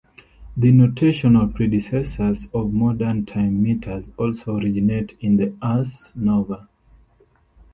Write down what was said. The notational predecessors of modern time meters also originate in the Ars Nova.